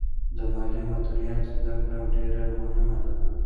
د مالي مدیریت زده کړه ډېره مهمه ده.